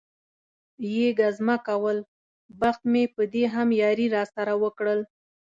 یې ګزمه کول، بخت مې په دې هم یاري را سره وکړل.